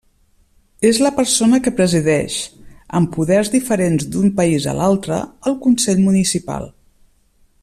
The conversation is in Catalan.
És la persona que presideix, amb poders diferents d'un país a l'altre, el consell municipal.